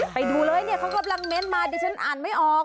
ไปดูเลยเนี่ยเขากำลังเม้นต์มาดิฉันอ่านไม่ออก